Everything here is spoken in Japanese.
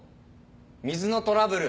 「水のトラブル」。